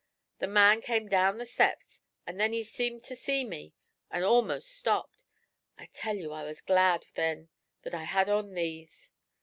The man come down the steps, an' then he seemed to see me, an' a'most stopped. I tell ye I was glad then that I had on these.'